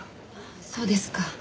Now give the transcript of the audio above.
そうですか。